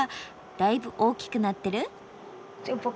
だいぶ大きくなってる？